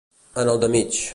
En el de mig.